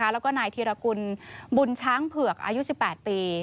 แล้วก็นายธีรกุลบุญช้างเผือกอายุ๑๘ปี